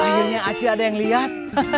akhirnya aceh ada yang lihat